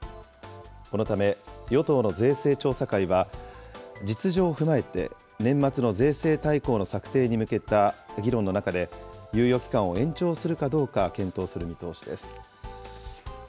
このため、与党の税制調査会は、実情を踏まえて年末の税制大綱の策定に向けた議論の中で、猶予期間を延長するかどうか検討する見通しです。